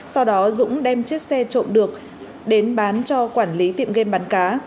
sau đó dũng đem chiếc xe trộm được đến bán cho quản lý tiệm game bán cá